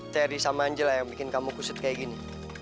terry sama angela yang bikin kamu kusut kayak gini